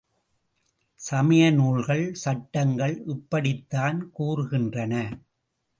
சமய நூல்கள், சட்டங்கள் இப்படித்தான் கூறுகின்றன!